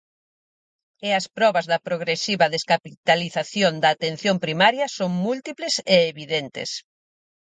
E as probas da progresiva descapitalización da atención primaria son múltiples e evidentes.